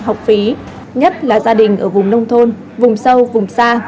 học phí nhất là gia đình ở vùng nông thôn vùng sâu vùng xa